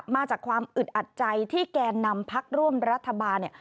มาจากความอึดอัดใจที่แกนนำพักร่วมรัฐบาลเนี่ย